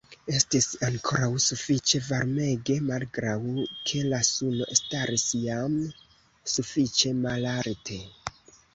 Estis ankoraŭ sufiĉe varmege, malgraŭ ke la suno staris jam sufiĉe malalte.